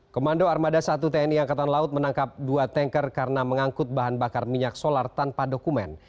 komando armada satu tni angkatan laut menangkap dua tanker karena mengangkut bahan bakar minyak solar tanpa dokumen